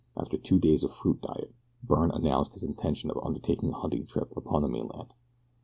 After two days of fruit diet, Byrne announced his intention of undertaking a hunting trip upon the mainland.